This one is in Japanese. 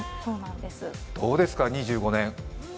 どうですか、２５年。